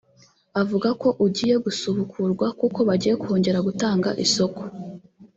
Avuga ko ugiye gusubukurwa kuko bagiye kongera gutanga isoko